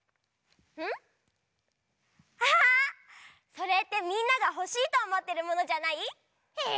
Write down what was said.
それってみんながほしいとおもってるものじゃない？え！